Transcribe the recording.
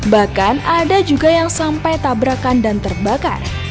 bahkan ada juga yang sampai tabrakan dan terbakar